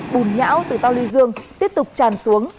bùn nhão từ tàu lê dương tiếp tục tràn xuống